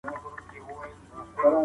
مشاورین به په ګډه همکاري کوي.